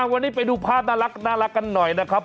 วันนี้ไปดูภาพน่ารักกันหน่อยนะครับ